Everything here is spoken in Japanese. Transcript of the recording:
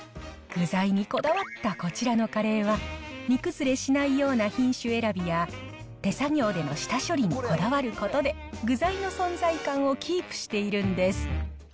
具材にこだわったこちらのカレーは煮崩れしないような品種選びや、手作業での下処理にこだわることで、具材の存在感をキープしているんです。